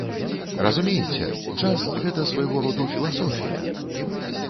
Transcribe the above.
Разумееце, джаз, гэта свайго роду філасофія!